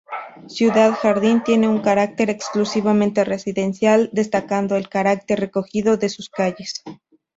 Ciudad Jardín tiene un carácter exclusivamente residencial, destacando el carácter recogido de sus calles.